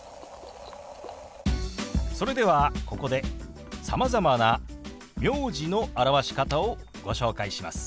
それではここでさまざまな名字の表し方をご紹介します。